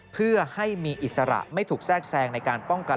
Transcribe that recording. เพื่อให้มีอิสระไม่ถูกแทรกแทรงในการป้องกัน